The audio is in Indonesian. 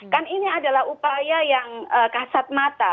kan ini adalah upaya yang kasat mata